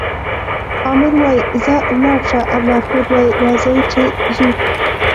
آمر وایي ځه ولاړ شه او لارښود وایي راځئ چې ځو.